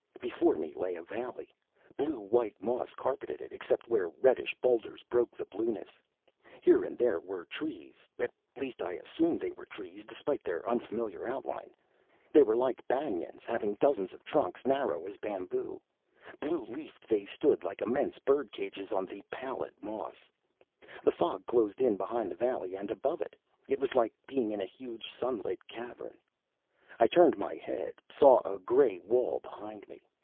Before me lay a valley. Blue white moss carpeted it except where reddish boulders broke the blueness. Here and there were trees at least I assumed they were trees, despite their unfamiliar outline. They were like banyans, having dozens of trunks narrow as bamboo. Blue leafed, they stood like immense bird cages on the pallid moss. The fog closed in behind the valley and above it. It was like being in a huge sun lit cavern. I turned my head, saw a gray wall behind me.